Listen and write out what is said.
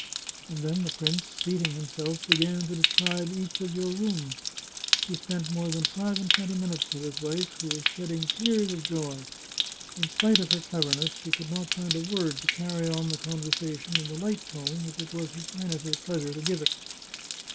And then the prince, seat ing himself, began to describe each of your rooms. He spent more than five and twenty minutes with his wife, who was shedding tears of joy. In spite of her cleverness, she could not find a word to carry on the conversation in the light tone which it was his Highness's pleasure to give it."